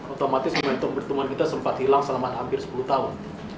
otomatis momentum pertumbuhan kita sempat hilang selama hampir sepuluh tahun